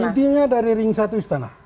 intinya dari ring satu istana